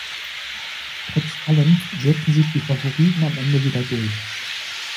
Trotz allem setzen sich die Favoriten am Ende wieder durch.